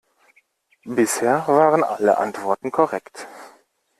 Bisher waren alle Antworten korrekt.